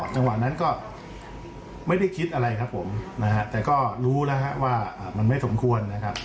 จังหวะนั้นก็ไม่ได้คิดอะไรครับผมนะฮะแต่ก็รู้แล้วว่ามันไม่สมควรนะครับ